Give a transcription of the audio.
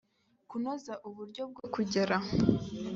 kunoza uburyo bwo kugera